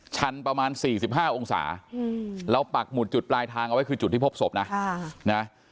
ชันประมาณ๔๕องศาเราปักหุดจุดปลายทางเอาไว้คือจุดที่พบศพนะ